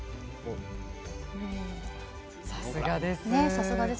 さすがです。